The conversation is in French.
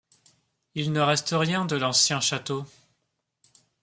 Il ne reste rien de l'ancien château.